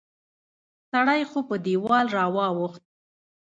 سړی خو په دیوال را واوښت